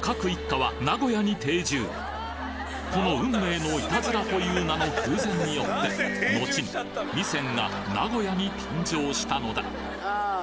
その後この運命のいたずらという名の偶然によってのちに味仙が名古屋に誕生したのだ